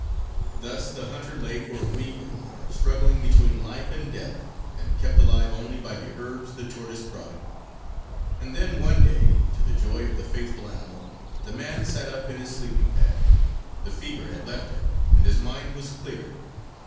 Thus the hunter lay for a week or more, struggling between life and death and kept alive only by the herbs the tortoise brought him. And then one day, to the joy of the faithful animal, the man sat up in his sleeping bag. The fever had left him and his mind was clear.